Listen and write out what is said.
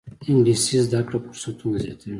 انګلیسي زده کړه فرصتونه زیاتوي